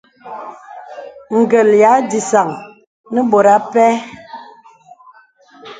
Gə̀l ya dìsaŋ nə bòt a pɛ.